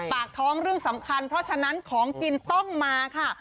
ปากท้องเรื่องสำคัญเพราะฉะนั้นของกินต้องมาค่ะ